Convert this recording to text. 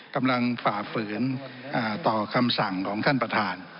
ฝ่าฝืนต่อคำสั่งของท่านประธาน